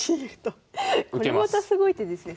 これまたすごい手ですね。